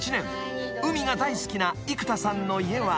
［海が大好きな生田さんの家は］